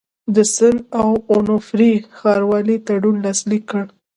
د سن اونوفري ښاروال تړون لاسلیک کړ.